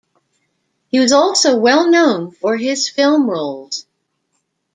He was also well known for his film roles.